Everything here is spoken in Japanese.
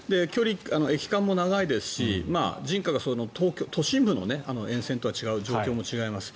駅間も長いですし人家が都心部の沿線とは違う状況も違います。